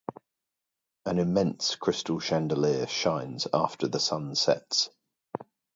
An immense crystal chandelier shines after the sun sets.